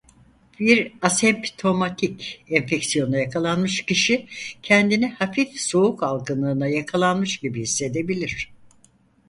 Bir asemptomatik enfeksiyona yakalanmış kişi kendini hafif soğuk algınlığına yakalanmış gibi hissedebilir.